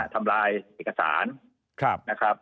ทำลายเอกสารนะครับ